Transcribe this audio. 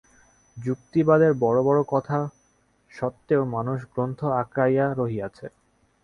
যুক্তিবাদের বড় বড় কথা সত্ত্বেও মানুষ গ্রন্থ আঁকড়াইয়া রহিয়াছে।